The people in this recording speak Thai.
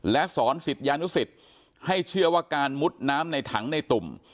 และสอนศิษยานุสิตให้เชื่อว่าการมุดน้ำในถังในตุ่ม